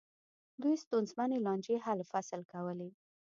دوی ستونزمنې لانجې حل و فصل کولې.